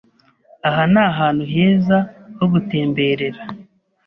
Aha ni ahantu heza ho gutemberera.